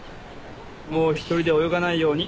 もう１人で泳がないように。